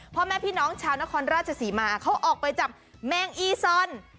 พ่อแม่พี่น้องชาวนครราชศรีมาเขาออกไปจับแมงอีซอน